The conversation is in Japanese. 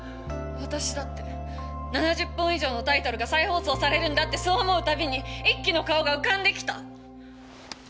私だって７０本以上のタイトルが再放送されるんだってそう思う度にイッキの顔が浮かんできた。